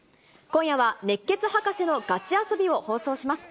今夜は、熱血ハカセのガチ遊びを放送します。